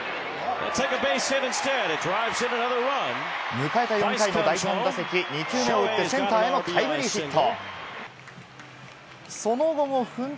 迎えた４回の第３打席、２球目を打ってセンターへのタイムリーヒット。